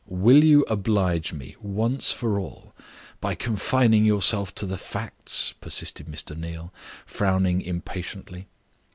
"Will you oblige me, once for all, by confining yourself to the facts," persisted Mr. Neal, frowning impatiently.